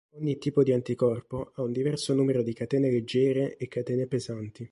Ogni tipo di anticorpo ha un diverso numero di catene leggere e catene pesanti.